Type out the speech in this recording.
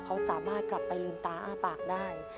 เขาสามารถกลับไปลืมตาอ้าปากได้